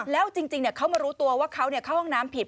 แล้วจริงเขามารู้ตัวว่าเขาเข้าห้องน้ำผิด